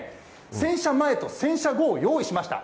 洗車前と洗車後を用意しました。